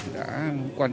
đã qua đây là